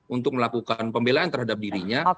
untuk melakukan pembelaan terhadap dirinya